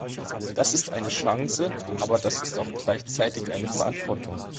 Das ist eine Chance, aber das ist auch gleichzeitig eine Verantwortung.